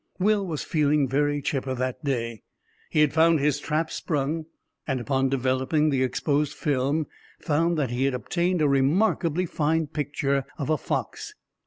Will was feeling very chipper that day. He had found his trap sprung, and upon developing the exposed film found that he had obtained a remarkably fine picture of a fox.